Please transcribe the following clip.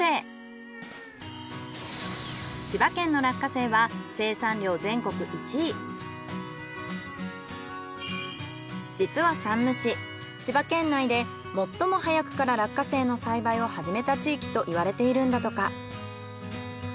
千葉県の実は山武市千葉県内で最も早くから落花生の栽培を始めた地域と言われているんだとか。